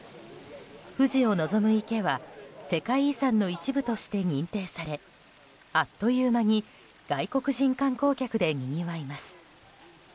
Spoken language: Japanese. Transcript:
富士を望む池は世界遺産の一部として認定されあっという間に外国人観光客でにぎわいます。